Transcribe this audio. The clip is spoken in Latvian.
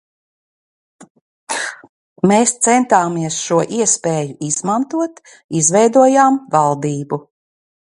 Mēs centāmies šo iespēju izmantot, izveidojām valdību.